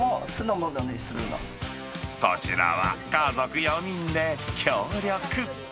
こちらは、家族４人で協力。